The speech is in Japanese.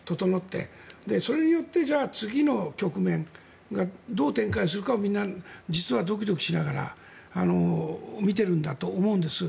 それによって次の局面がどう展開するかをみんな実はドキドキしながら見ているんだと思うんです。